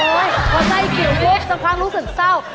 โอ้โฮพอไส้กิ๋วสักครั้งรู้สึกเศร้า